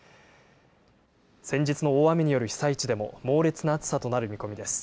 先日の大雨による被災地でも猛烈な暑さとなる見込みです。